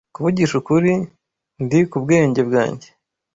Kuvugisha ukuri, ndi ku bwenge bwanjye